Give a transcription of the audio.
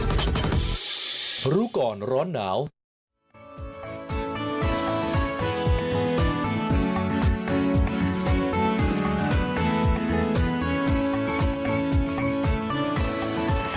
สวัสดีค่ะพบกับรู้ก่อนร้อนหนาวกับมินินาทชาค่ะ